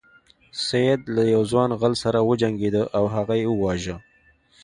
سید له یو ځوان غل سره وجنګیده او هغه یې وواژه.